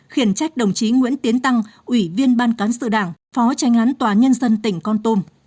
khiển trách đồng chí nguyễn tiến tăng ủy viên ban cán sự đảng phó tránh án tòa án nhân dân tỉnh con tôm